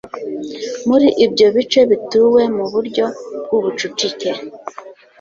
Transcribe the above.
muri ibyo bice bituwe mu buryo bw'ubucucike.